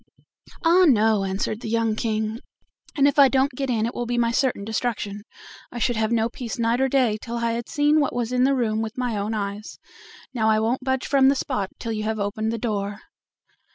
"Ah! no," answered the young King; "if I don't get in, it will be my certain destruction; I should have no peace night or day till I had seen what was in the room with my own eyes. Now I don't budge from the spot till you have opened the door."